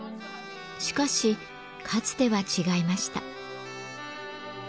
しかしかつては違いました。